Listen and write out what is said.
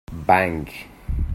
Bang!